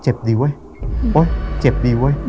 โอ๊ยเจ็บดีเว้ย